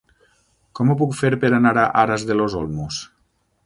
Com ho puc fer per anar a Aras de los Olmos?